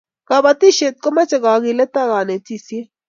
kabatishiet komache kagilet ak kanetishiet